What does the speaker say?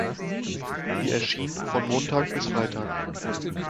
Sie erschien von Montag bis Freitag.